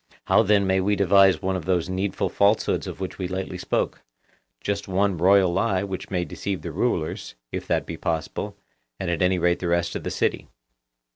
How then may we devise one of those needful falsehoods of which we lately spoke—just one royal lie which may deceive the rulers, if that be possible, and at any rate the rest of the city?